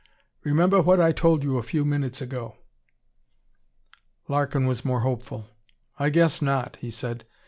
Remember what I told you a few minutes ago." Larkin was more hopeful. "I guess not," he said.